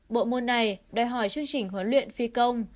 bộ môn này đòi hỏi chương trình huấn luyện phi công